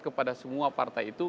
kepada semua partai itu